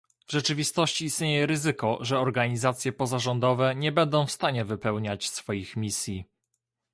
W rzeczywistości istnieje ryzyko, że organizacje pozarządowe nie będą w stanie wypełniać swoich misji